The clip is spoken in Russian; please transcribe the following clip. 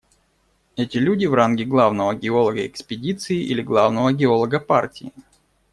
Эти люди в ранге главного геолога экспедиции или главного геолога партии.